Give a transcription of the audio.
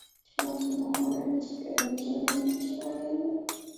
其外形模仿的是汽车引擎的圆形汽缸内部。